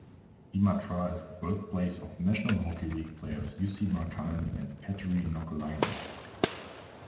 Imatra is the birthplace of National Hockey League players Jussi Markkanen and Petteri Nokelainen.